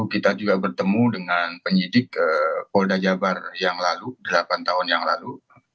kita juga bertemu dengan penyidik polda jabar yang lalu delapan tahun yang lalu